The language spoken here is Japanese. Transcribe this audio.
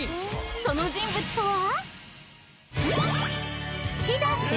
その人物とは？